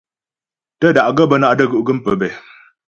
Tə́da'gaə́ bə́ ná’ də́gú' gə́m pəbɛ̂.